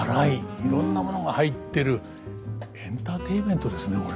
いろんなものが入ってるエンターテインメントですね